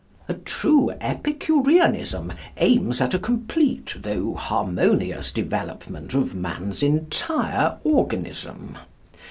A true Epicureanism aims at a complete though harmonious development of man's entire organism.